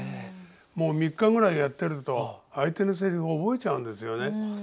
もう３日ぐらいやってると相手のセリフ覚えちゃうんですよね。